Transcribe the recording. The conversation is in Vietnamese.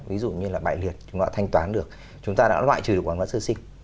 ví dụ như là bại liệt chúng ta đã thanh toán được chúng ta đã loại trừ được quảng cáo sơ sinh